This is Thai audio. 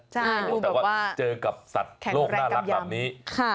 แต่ว่าเจอกับสัตว์โลกน่ารักแบบนี้